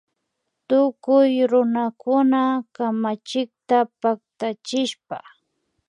Tukuy runakuna kamachikta paktachishpa